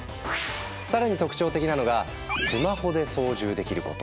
更に特徴的なのがスマホで操縦できること。